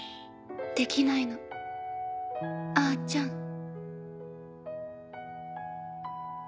できないのアーちゃん。